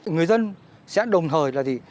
người dân sẽ đồng thời là gì